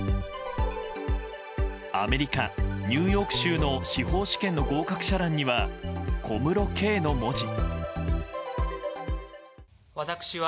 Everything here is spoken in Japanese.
アメリカ・ニューヨーク州の司法試験の合格者欄には「ＫＯＭＵＲＯ，ＫＥＩ」の文字。